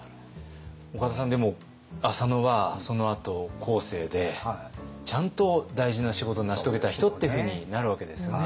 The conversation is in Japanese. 岡田さんでも浅野はそのあと後世でちゃんと大事な仕事を成し遂げた人っていうふうになるわけですよね。